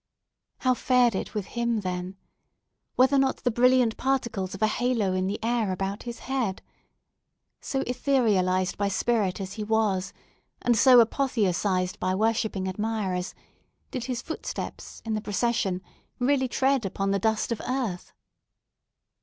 How fared it with him, then? Were there not the brilliant particles of a halo in the air about his head? So etherealised by spirit as he was, and so apotheosised by worshipping admirers, did his footsteps, in the procession, really tread upon the dust of earth?